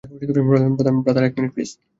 Brother, please এক minute.